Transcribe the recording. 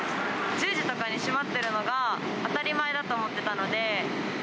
１０時とかに閉まってるのが当たり前だと思ってたので。